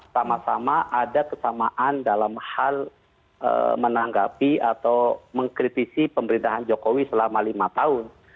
sama sama ada kesamaan dalam hal menanggapi atau mengkritisi pemerintahan jokowi selama lima tahun